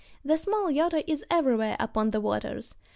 The small yachter is everywhere upon the waters.